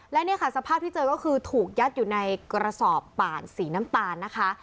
และเนี่ยค่ะสภาพที่เจอก็คือถูกยัดอยู่ในกระสอบป่านสีน้ำตาลนะคะ